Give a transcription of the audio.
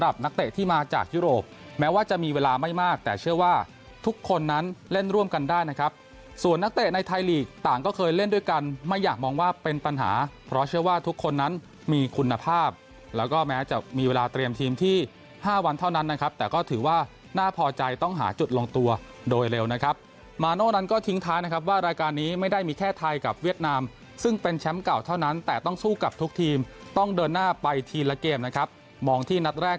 เพราะเชื่อว่าทุกคนนั้นมีคุณภาพแล้วก็แม้จะมีเวลาเตรียมทีมที่๕วันเท่านั้นนะครับแต่ก็ถือว่าน่าพอใจต้องหาจุดลงตัวโดยเร็วนะครับมาโน้นก็ทิ้งท้ายนะครับว่ารายการนี้ไม่ได้มีแค่ไทยกับเวียดนามซึ่งเป็นแชมป์เก่าเท่านั้นแต่ต้องสู้กับทุกทีมต้องเดินหน้าไปทีละเกมนะครับมองที่นัด